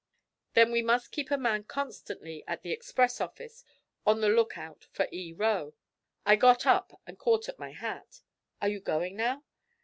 'Then we must keep a man constantly at the express office on the look out for E. Roe.' I got up and caught at my hat. 'Are you going now?'